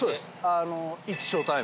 あの。